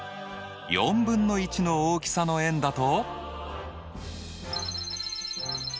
４分の１の大きさの円だと？